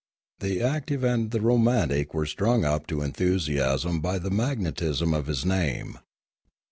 The active and the romantic were strung up to enthusiasm by the magnetism of his name.